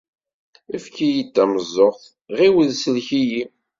Efk-iyi-d tameẓẓuɣt, ɣiwel sellek-iyi!